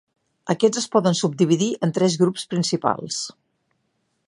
Aquests es poden subdividir en tres grups principals.